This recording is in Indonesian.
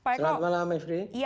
selamat malam mifri